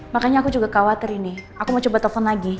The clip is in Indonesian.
makanya aku juga khawatir ini aku mau coba telepon lagi